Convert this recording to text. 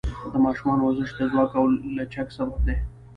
د ماشومانو ورزش د ځواک او لچک سبب دی.